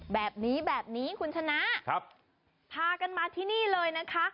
แบบนี้แบบนี้คุณชนะพากันมาที่นี่เลยนะคะ